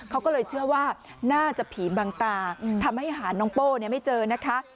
เขาก็เลยเชื่อว่าน่าจะผีบังตาทำให้หาน้องโป้ไม่เจอนะคะ